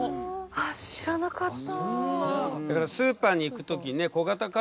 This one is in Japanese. ああ知らなかった。